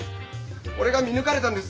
俺が見抜かれたんです。